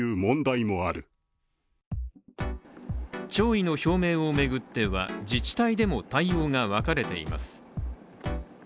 弔意の表明を巡っては自治体でも対応が分かれています。